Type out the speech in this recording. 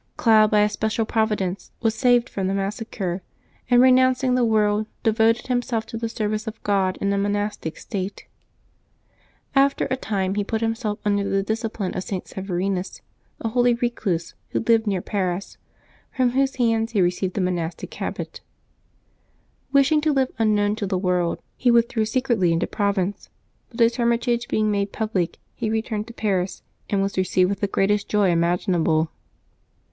Cloud, by a special providence, was saved from the massacre, and, renouncing the world, devoted himself to the service of God in a monastic state. After a time he put himself under the discipline of St. Severinus, a holy recluse who lived near Paris, from whose hands he received the monastic habit. Wishing to live unknown to the world, he withdrew secretly into Provence, but his ^ tlermitage being made public, he returned to Paris, and was received with the greatest joy imaginable.